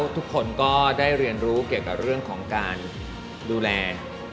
ทุกคนก็ได้เรียนรู้เกี่ยวกับเรื่องของการดูแล